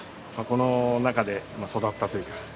この中で育ったというか。